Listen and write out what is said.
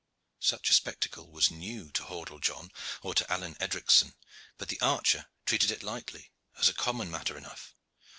Such a spectacle was new to Hordle John or to Alleyne Edricson; but the archer treated it lightly, as a common matter enough.